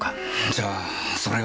じゃあそれが。